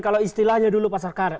kalau istilahnya dulu pasar karet